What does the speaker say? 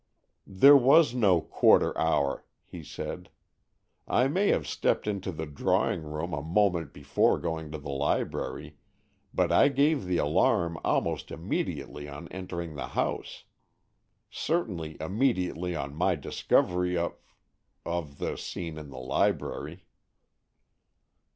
"There was no quarter hour," he said; "I may have stepped into the drawing room a moment before going to the library, but I gave the alarm almost immediately on entering the house. Certainly immediately on my discovery of—of the scene in the library."